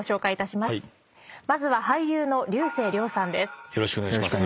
まずは俳優の竜星涼さんです。